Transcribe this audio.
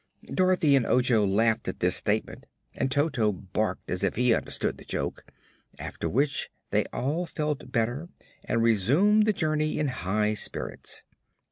Dorothy and Ojo laughed at this statement and Toto barked as if he understood the joke, after which they all felt better and resumed the journey in high spirits.